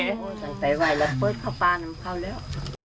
ตั้งแต่วัยแล้วเปิดข้าวบ้านเขาแล้ว